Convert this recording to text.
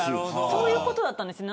そういうことだったんですね。